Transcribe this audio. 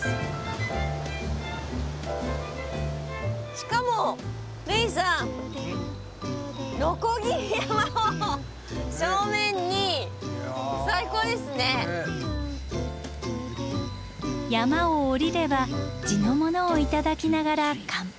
しかも類さん山を下りれば地のものを頂きながら乾杯をする。